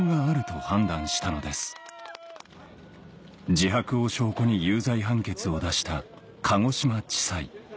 自白を証拠に有罪判決を出した鹿児島地裁